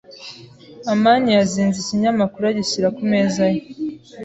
amani yazinze ikinyamakuru agishyira ku meza ye.